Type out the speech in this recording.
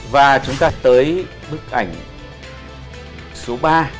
và chúng ta tới bức ảnh số ba